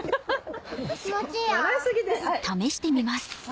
気持ちいいよ。